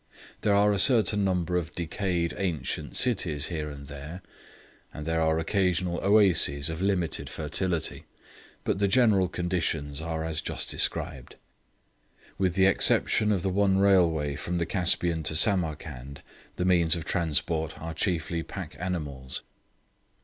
There are a certain number of decayed ancient cities here and there, and there are occasional oases of limited fertility, but the general conditions are as just described. With the exception of the one railway from the Caspian to Samarcand, the means of transport are chiefly pack animals.